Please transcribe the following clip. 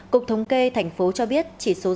cục thống kê thành phố cho biết